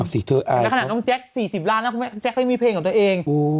เอาสิเธอแล้วขนาดน้องแจ็ค๔๐ล้านนะแจ็คก็ไม่มีเพลงของตัวเอง